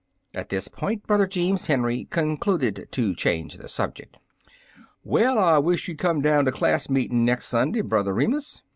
At this point, Brother Jeems Henry con cluded to change the subject. "Well, I wish you'd come down to class meetin' next Sunday, Brother Remus.